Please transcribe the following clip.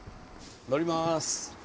乗りまーす！